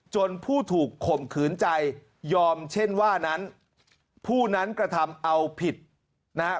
ผู้ถูกข่มขืนใจยอมเช่นว่านั้นผู้นั้นกระทำเอาผิดนะฮะ